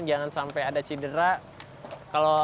jangan sampai ada cedera